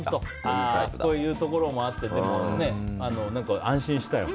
こういうところもあって安心したよ。